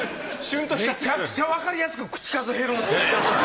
めちゃくちゃわかりやすく口数減るんですね。